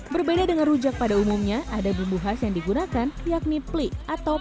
berbeda dengan rujak pada umumnya ada bumbu khas yang digunakan yakni plik atau